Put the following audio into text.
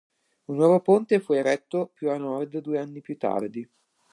Un nuovo ponte fu eretto più a nord due anni più tardi.